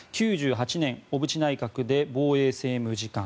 ９８年、小渕内閣で防衛政務次官。